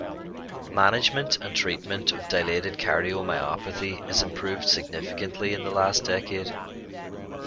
Management and treatment of dilated cardiomyopathy has improved significantly in the last decade.